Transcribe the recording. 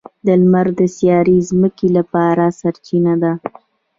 • لمر د سیارې ځمکې لپاره سرچینه ده.